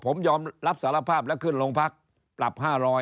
ผมยอมรับสารภาพแล้วขึ้นโรงพักปรับ๕๐๐